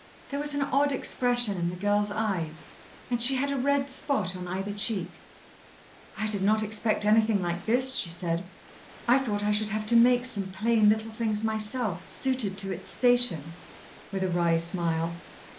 There was an odd expression in the girl's eyes, and she had a red spot on either cheek. "I did not expect anything like this," she said. "I thought I should have to make some plain, little things myself, suited to its station," with a wry smile.